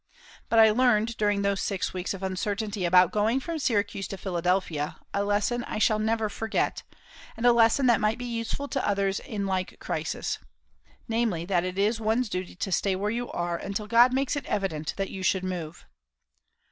But I learned, during those six weeks of uncertainty about going from Syracuse to Philadelphia, a lesson I shall never forget, and a lesson that might be useful to others in like crisis: namely, that it is one's duty to stay where you are until God makes it evident that you should move.